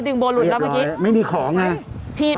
ดึงโบหลุดแล้วเมื่อกี้เตรียมร้อยไม่มีของใช่ไหม